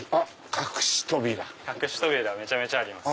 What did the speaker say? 隠し扉めちゃめちゃあります。